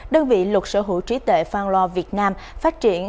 đơn vị lục sở hữu trí tuệ phan loa việt nam phát triển